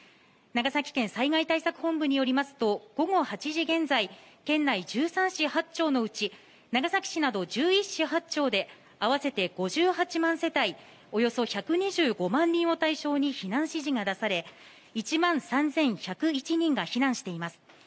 長崎県災害対策本部によりますと午後８時現在県内１３市８町のうち長崎市など１１市８町で合わせて５８万世帯およそ１２５万人を対象に避難指示が出され１万３１０１人が避難しています。